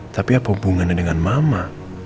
tapi apa hubungannya dengan mama